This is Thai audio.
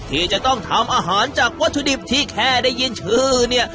ที่จะต้องทำอาหารจากวัตถุดิบที่แค่ได้ยินชื่อเนี่ย